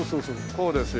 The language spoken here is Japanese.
こうですよ。